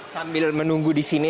sambil menunggu di sini